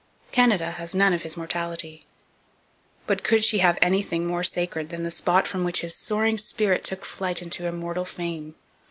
Canada has none of his mortality. But could she have anything more sacred than the spot from which his soaring spirit took its flight into immortal fame?